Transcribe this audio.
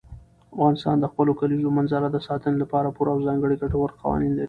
افغانستان د خپلو کلیزو منظره د ساتنې لپاره پوره او ځانګړي ګټور قوانین لري.